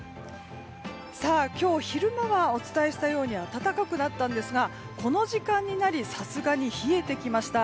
今日昼間はお伝えしたように暖かくなったんですがこの時間になりさすがに冷えてきました。